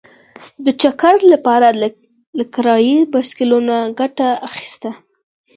د چکر لپاره له کرايي بایسکلونو ګټه اخیسته.